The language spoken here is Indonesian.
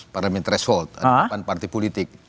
parlamen threshold delapan partai politik